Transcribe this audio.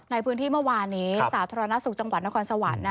ในพื้นที่เมื่อวานนี้สาธารณสุขจังหวัดนครสวรรค์